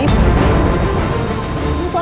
itu alasnya ada inisiatif bu